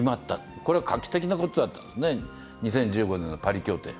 これは画期的なことだったんですね、２０１５年のパリ協定。